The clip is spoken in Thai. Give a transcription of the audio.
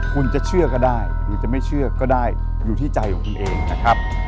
คุณจะเชื่อก็ได้หรือจะไม่เชื่อก็ได้อยู่ที่ใจของคุณเองนะครับ